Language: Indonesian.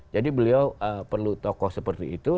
jadi beliau perlu tokoh seperti itu